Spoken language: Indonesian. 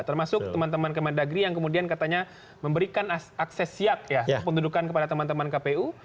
termasuk teman teman kementerian dalam negeri yang kemudian katanya memberikan akses siap ya pendudukan kepada teman teman kpu